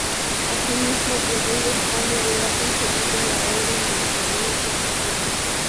Asimismo, el Rey de España le ha concedido la Orden de Isabel la Católica.